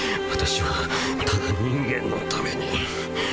私はただ人間のために